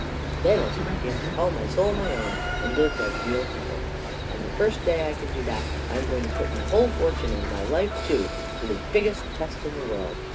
Then I can begin to call my soul my own and live like real people. And, the first day I can do that, I am going to put my whole fortune and my life, too, to the biggest test in the world.